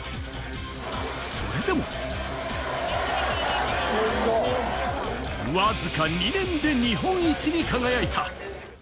それでもわずか２年で日本一に輝いた。